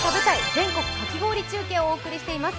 全国かき氷中継」をお送りしています。